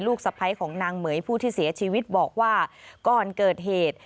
สะพ้ายของนางเหม๋ยผู้ที่เสียชีวิตบอกว่าก่อนเกิดเหตุ